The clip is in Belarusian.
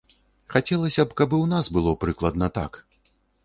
Хацелася б, каб і ў нас было прыкладна так.